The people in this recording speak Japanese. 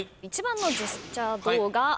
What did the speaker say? １番のジェスチャー動画